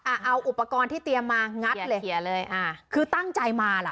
เอาอุปกรณ์ที่เตรียมมางัดเลยอ่าคือตั้งใจมาล่ะ